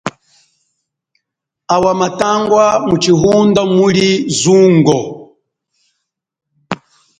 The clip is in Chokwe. Awa mathangwa mutshihunda muli zungo.